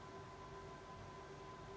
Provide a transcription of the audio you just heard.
ya berarti sekarang sudah meluas